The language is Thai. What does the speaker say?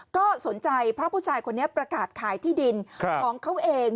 ก็สนใจเพราะผู้ชายคนนี้ประกาศขายที่ดินของเขาเอง